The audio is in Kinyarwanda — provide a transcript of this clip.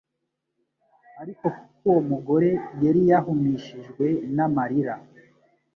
Ariko kuko uwo mugore yari yahumishijwe n'amarira,